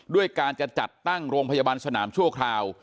ด้วยการจะจัดตั้งโรงพยาบาลสนามชั่วคราว